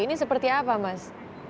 ini seperti apa mas